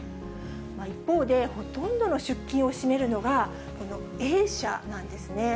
一方で、ほとんどの出金を占めるのが、このＡ社なんですね。